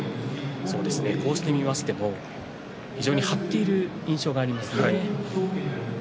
こうして見ましても非常に張っている印象がありますね。